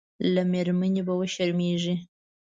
له مېرمنې به وشرمېږي.